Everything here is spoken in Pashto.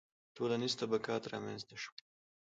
• ټولنیز طبقات رامنځته شول.